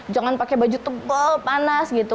jangan pakai baju tengkol panas gitu